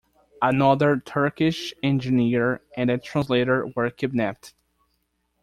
Another Turkish engineer and a translator were kidnapped.